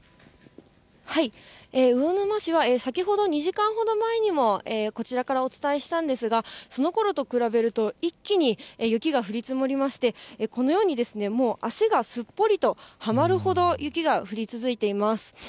魚沼市は先ほど２時間ほど前にも、こちらからお伝えしたんですが、そのころと比べると一気に雪が降り積もりまして、このようにですね、もう足がすっぽりとはまるほど雪が降り続いています。